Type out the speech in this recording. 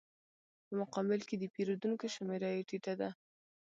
په مقابل کې د پېرودونکو شمېره یې ټیټه ده